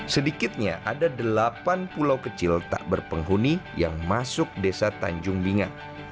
sedikitnya ada delapan pulau kecil tak berpenghuni yang masuk desa tanjung binga